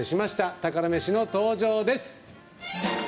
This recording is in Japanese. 宝メシの登場です。